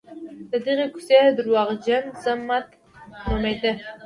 د دغې کوڅې درواغجن ضمټ نومېده.